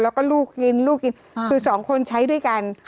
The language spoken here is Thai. แล้วก็ลูกกินลูกกินคือสองคนใช้ด้วยกัน